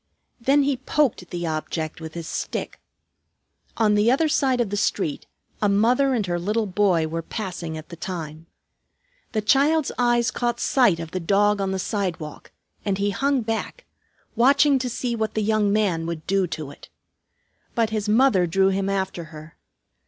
Then he poked the object with his stick. On the other side of the street a mother and her little boy were passing at the time. The child's eyes caught sight of the dog on the sidewalk, and he hung back, watching to see what the young man would do to it. But his mother drew him after her.